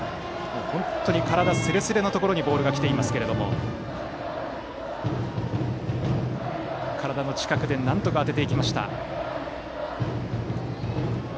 体すれすれのところにボールが来ていますが体の近くでなんとか当てていきました。